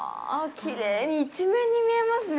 きれいに一面に見えますね。